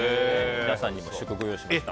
皆さんにも試食をご用意しました。